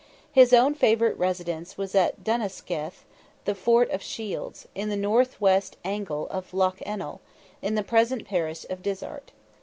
His own favourite residence was at Dunnasciath ("the fort of shields"), in the north west angle of Lough Ennel, in the present parish of Dysart.